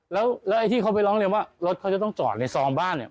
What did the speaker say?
แล้วไอ้ที่เขาไปร้องเรียนว่ารถเขาจะต้องจอดในซองบ้านเนี่ย